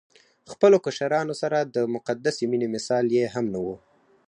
خپلو کشرانو سره د مقدسې مينې مثال يې هم نه وو